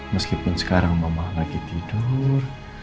meskipun sekarang mama lagi tidur